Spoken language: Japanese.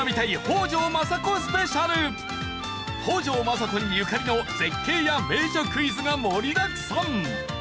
北条政子にゆかりの絶景や名所クイズが盛りだくさん！